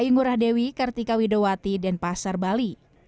yang bekerja sama dengan persada bali untuk pengelolaan di lapangan